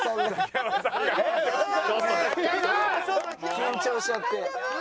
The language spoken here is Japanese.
緊張しちゃって。